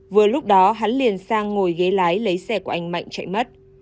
vừa lúc đó hắn liền sang ngồi ghế lái lấy xe của anh mạnh chạy mất